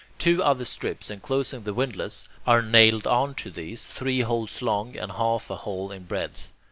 Two other strips, enclosing the windlass, are nailed on to these, three holes long and half a hole in breadth.